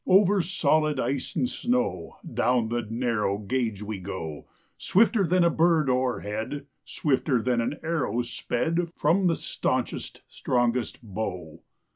Over solid ice and snow, Down the narrow gauge we go Swifter than a bird o'erhead, Swifter than an arrow sped From the staunchest, strongest bow.